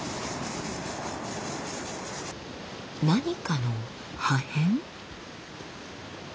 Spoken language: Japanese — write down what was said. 何かの破片？